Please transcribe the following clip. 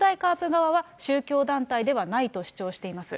側は、宗教団体ではないと主張しています。